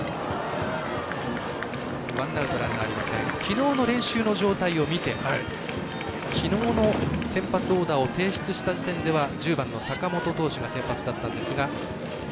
きのうの練習の状態を見てきのうの先発オーダーを提出した時点では１０番の坂本投手が先発だったんですが。